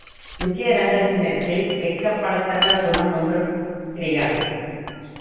விஜயரங்கத்தினிடத்தில், வெட்கப்படத்தக்க குணம் ஒன்றும் கிடையாது.